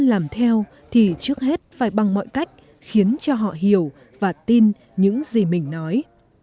dân làm theo thì trước hết phải bằng mọi cách khiến cho họ hiểu và tin những gì mình nói